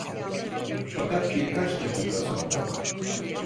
Fakat birkaç dakika sonra: